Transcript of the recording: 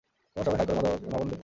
তোমরা সবাই হাই করো মাবন দেবকে।